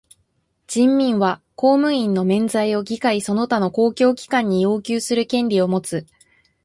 人民は公務員の罷免を議会その他の公共機関に要求する権利をもつ。